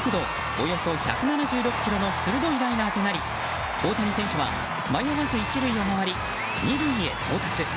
およそ１７６キロの鋭いライナーとなり大谷選手は迷わず１塁を回り２塁へ到達。